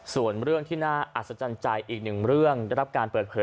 ส่วนเรื่องที่น่าอัศจรรย์ใจอีกหนึ่งเรื่องได้รับการเปิดเผย